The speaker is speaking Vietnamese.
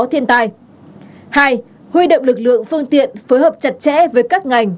hai huy động lực lượng phương tiện phối hợp chặt chẽ với các ngành